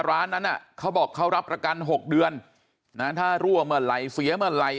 ร้านนั้นเขาบอกเขารับประกัน๖เดือนนะถ้ารั่วเมื่อไหร่เสียเมื่อไหร่